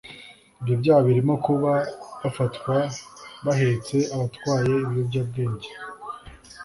Ibyo byaha birimo kuba bafatwa bahetse abatwaye ibiyobyabwenge